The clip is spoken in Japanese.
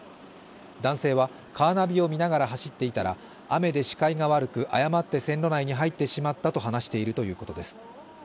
男性はカーナビを見ながら走っていたら雨で視界が悪く誤って線路内に入ってしまったと話しているということです。